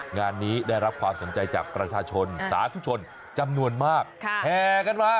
งานนี้ได้รับความสนใจจากประชาชนสาธุชนจำนวนมากแห่กันมา